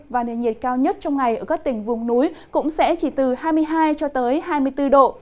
và nền nhiệt cao nhất trong ngày ở các tỉnh vùng núi cũng sẽ chỉ từ hai mươi hai cho tới hai mươi bốn độ